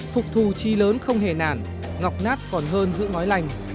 phục thù chi lớn không hề nản ngọc nát còn hơn giữ ngói lành